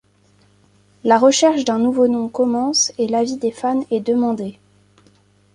La recherche d’un nouveau nom commence et l’avis des fans est demandé.